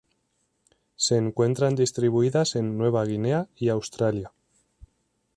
Se encuentran distribuidas en Nueva Guinea y Australia.